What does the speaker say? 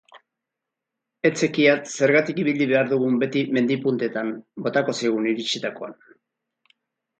Ez zekiat zergatik ibili behar dugun beti mendi puntetan, botako zigun iritsitakoan.